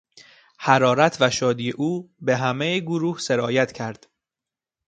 حرارت و شادی او به همهی گروه سرایت کرد.